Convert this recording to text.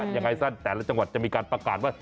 ยังไงซะแต่ละจังหวัดจะมีการประกาศว่า